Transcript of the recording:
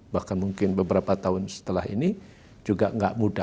bahkan mungkin beberapa tahun setelah ini juga nggak mudah